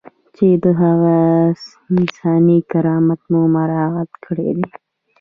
چې د هغه انساني کرامت مو مراعات کړی دی.